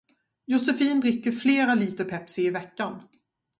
Josefin dricker flera liter pepsi i veckan.